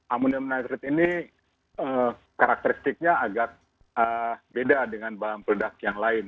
amonium nagreed ini karakteristiknya agak beda dengan bahan peledak yang lain